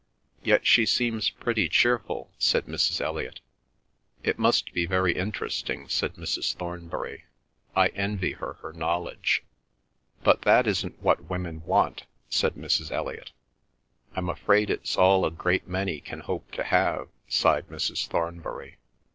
"Yet she seems pretty cheerful," said Mrs. Elliot. "It must be very interesting," said Mrs. Thornbury. "I envy her her knowledge." "But that isn't what women want," said Mrs. Elliot. "I'm afraid it's all a great many can hope to have," sighed Mrs. Thornbury.